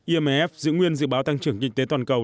imf giữ nguyên dự báo tăng trưởng kinh tế toàn cầu